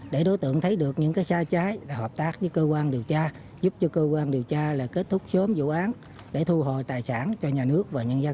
để đối tượng thấy được những cái xa trái là hợp tác với cơ quan điều tra giúp cho cơ quan điều tra là kết thúc sớm vụ án để thu hồi tài sản cho nhà nước